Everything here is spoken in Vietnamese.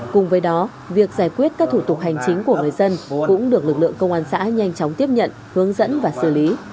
cùng với đó việc giải quyết các thủ tục hành chính của người dân cũng được lực lượng công an xã nhanh chóng tiếp nhận hướng dẫn và xử lý